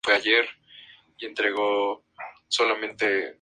Como abogado, fue miembro de la Academia Mexicana de Derecho Internacional.